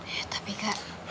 ya tapi kak